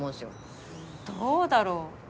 どうだろう